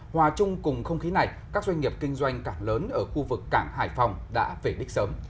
hòa chung cùng không khí này các doanh nghiệp kinh doanh cảng lớn ở khu vực cảng hải phòng đã về đích sớm